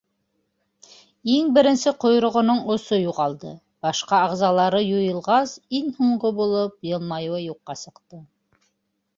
Иң беренсе ҡойроғоноң осо юғалды, башҡа ағзалары юйылғас, иң һуңғы булып йылмайыуы юҡҡа сыҡты.